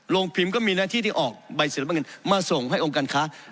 โรงพิมพ์ก็มีนาฬิที่ที่ออกใบเสริมเงินมาส่งให้โองการค้า